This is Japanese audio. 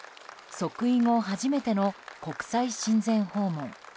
即位後、初めての国際親善訪問。